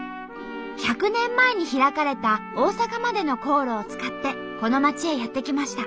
１００年前に開かれた大阪までの航路を使ってこの街へやって来ました。